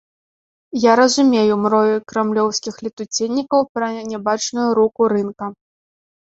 Я разумею мроі крамлёўскіх летуценнікаў пра нябачную руку рынка.